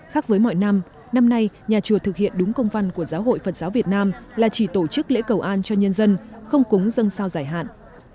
khác với mọi năm năm nay nhà chùa thực hiện đúng công văn của giáo hội phật giáo việt nam là chỉ tổ chức lễ cầu an cho nhân dân không cúng dân sao giải hạn